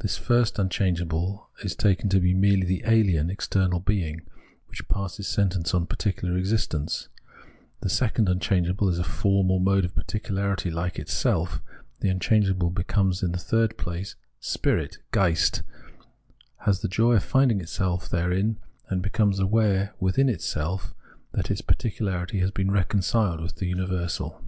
The first un changeable is taken to be merely the ahen, external Being,* which passes sentence on particular existence ; since the second unchangeable is a form or mode of particularity like itself, f the unchangeable becomes in the third place spirit {Geist), has the joy of finding itself therein, and becomes aware within itself that its particularity has been reconciled with the universal.